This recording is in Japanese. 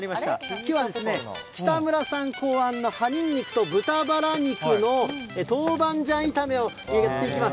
きょうは北村さん考案の葉ニンニクと豚バラ肉の豆板醤炒めをやっていきます。